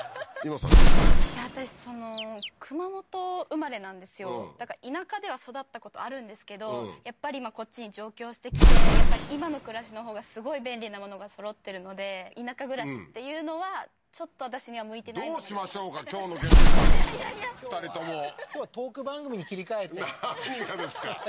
いや私熊本生まれなんですよだから田舎では育ったことあるんですけどやっぱりまあこっちに上京してきてやっぱり今の暮らしのほうがすごい便利なものがそろってるので田舎暮らしっていうのはちょっと私には向いてないどうしましょうか今日のゲストはいやいやいやいや２人とも今日はトーク番組に切り替えて何がですか？